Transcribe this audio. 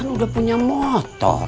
udah punya motor